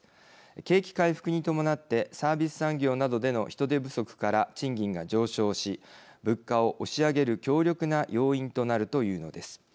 景気回復に伴ってサービス産業などでの人手不足から賃金が上昇し物価を押し上げる協力な要因となるというのです。